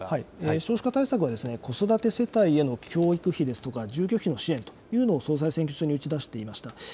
少子化対策は、子育て世帯への教育費ですとか、住居費の支援というのを総裁選挙中に打ち出していました。